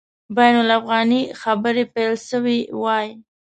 بین الافغاني خبري پیل سوي وای.